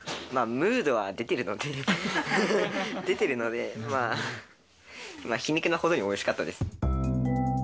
ムードは出ているので、出てるので、まあ、皮肉なほどにおいしかったです。